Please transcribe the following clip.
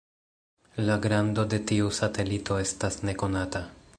La grando de tiu satelito estas nekonata.